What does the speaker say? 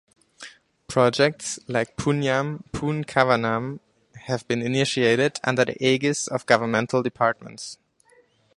Projects like "Punyam Poonkavanam" has been initiated under the aegis of governmental departments.